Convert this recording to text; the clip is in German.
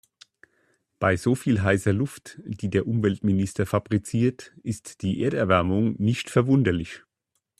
Bei so viel heißer Luft, die der Umweltminister fabriziert, ist die Erderwärmung nicht verwunderlich.